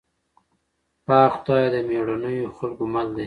پاک خدای د مېړنيو خلکو مل دی.